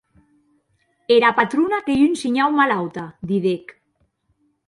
Era patrona qu’ei un shinhau malauta, didec.